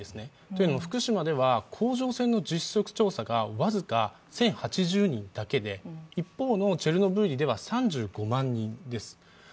というのも福島では甲状腺の実測調査が僅か１０８０人だけで一方のチェルノブイリでは３５万人です。